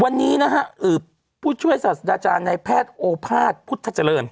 วันนี้นะฮะผู้ช่วยศาสตราจารย์ในแพทย์โอภาษพุทธเจริญ